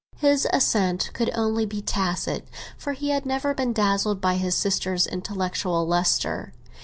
His assent could only be tacit, for he had never been dazzled by his sister's intellectual lustre.